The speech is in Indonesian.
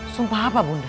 sumpah apa bunda